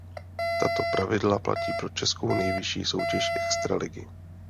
Tato pravidla platí pro českou nejvyšší soutěž extraligy.